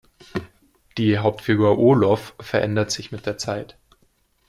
Die Hauptfigur Olof verändert sich mit der Zeit.